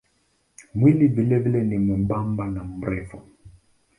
Mwili vilevile ni mwembamba na mrefu.